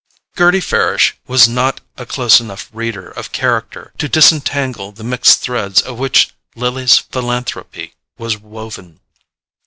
Gerty Farish was not a close enough reader of character to disentangle the mixed threads of which Lily's philanthropy was woven.